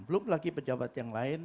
belum lagi pejabat yang lain